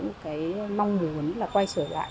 một cái mong muốn là quay sở lại